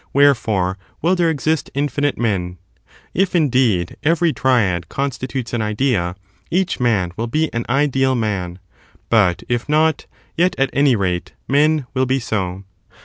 Wherefore, will there exist infinite men ; if, indeed, every triad constitutes an idea, each man will be an ideal man ; but if not, yet, at any rate, men will be so.